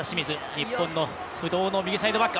日本の不動の右サイドバック。